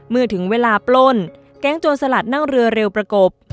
เมื่อถึงเวลาปล้นแก๊งโจรสลัดนั่งเรือเร็วประกบ